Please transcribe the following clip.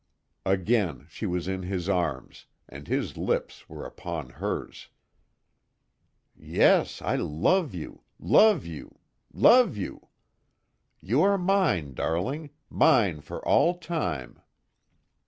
Again she was in his arms, and his lips were upon hers: "Yes, I love you love you love you! You are mine, darling mine for all time!"